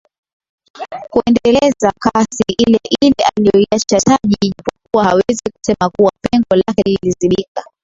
Kuendeleza kasi ile ile aliyoiacha Taji japokuwa hawezi kusema kuwa pengo lake lilizibika